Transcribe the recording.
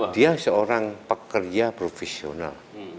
dia seorang pekerja profesional